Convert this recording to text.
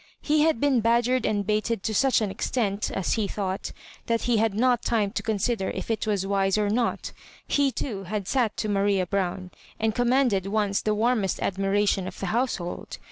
He had been badgered and baited to such an extent (as he thought) that he had not time to consider if it was wise or not He, too, had sat to Maria Brown, and commanded once the warmest admu ation of the household.